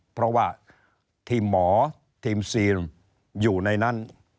เพราะว่าทีมหมอทีมซีนอยู่ในนั้น